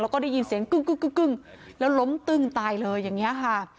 แล้วก็ได้ยินเสียงกึ๊กกึ๊กกึ๊กแล้วล้มตึงตายเลยอย่างเงี้ยค่ะ